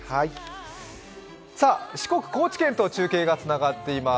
四国・高知県と中継がつながっています。